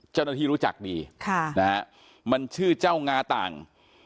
เจ้าหน้าที่รู้จักดีมันชื่อเจ้างาต่าง